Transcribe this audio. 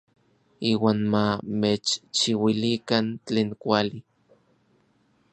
Iuan ma mechchiuilikan tlen kuali.